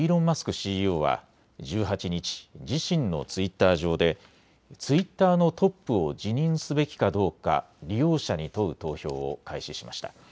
ＣＥＯは１８日、自身のツイッター上で、ツイッターのトップを辞任すべきかどうか利用者に問う投票を開始しました。